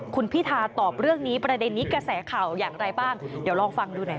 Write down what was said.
คุณพิธาตอบเรื่องนี้ประเด็นนี้กระแสข่าวอย่างไรบ้าง